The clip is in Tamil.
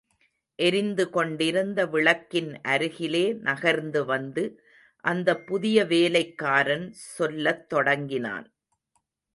எரிந்துகொண்டிருந்த விளக்கின் அருகிலே நகர்ந்து வந்து, அந்தப் புதிய வேலைக்காரன் சொல்லத் தொடங்கினான்.